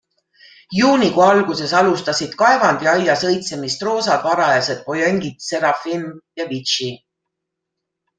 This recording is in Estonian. Juunikuu alguses alustasid Kaevandi Aias õitsemist roosad varased pojengid 'Seraphim' ja 'Vitchi'.